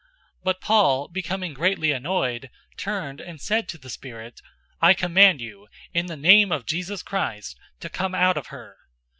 But Paul, becoming greatly annoyed, turned and said to the spirit, "I charge you in the name of Jesus Christ to come out of her!"